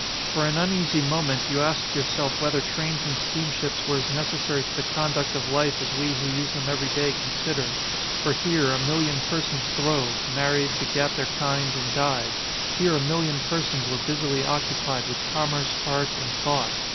For an uneasy moment you asked yourself whether trains and steamships were as necessary to the conduct of life as we who use them every day con sider ; for here, a million persons throve, married, begat their kind, and died ; here a million persons were busily occupied with commerce, art, and thought.